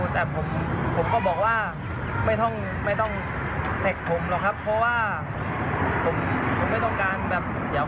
แล้วพี่เขาบอกว่าพี่เขาไปโพสต์หน้าเฟสของพี่เขาเฉย